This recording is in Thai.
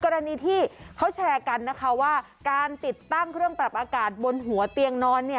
กรณีที่เขาแชร์กันนะคะว่าการติดตั้งเครื่องปรับอากาศบนหัวเตียงนอน